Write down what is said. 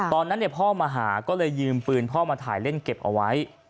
ตอนนั้นพ่อมาหาก็เลยยืมปืนพ่อมาถ่ายเล่นเก็บเอาไว้